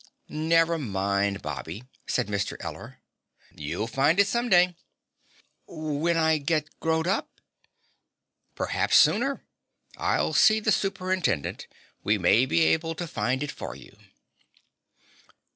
"Never mind, Bobby," said Mr. Eller. "You'll find it some day." "When I get growed up?" "Perhaps sooner. I'll see the Superintendent. We may be able to find it for you."